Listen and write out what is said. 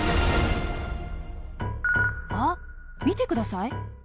あっ見て下さい。